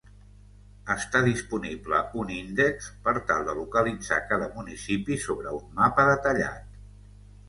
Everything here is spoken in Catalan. Està disponible un índex per tal de localitzar cada municipi sobre un mapa detallat.